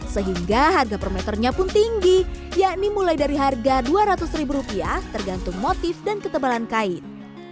sehingga harga per meternya pun tinggi yakni mulai dari harga dua ratus ribu rupiah tergantung motif dan ketebalan kain